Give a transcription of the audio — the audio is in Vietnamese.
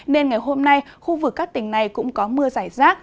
nên ngày hôm nay khu vực các tỉnh này cũng có mưa giải rác